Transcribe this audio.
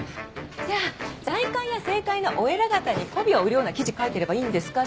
じゃあ財界や政界のお偉方に媚びを売るような記事書いてればいいんですか？